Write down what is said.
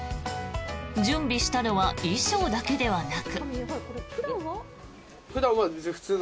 準備したのは衣装だけではなく。